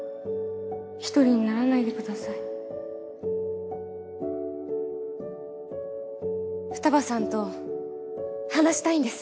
一人にならないでください二葉さんと話したいんです。